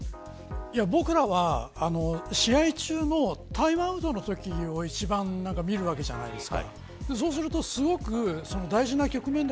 僕らは、試合中のタイムアウトのときを一番見るじゃないですか。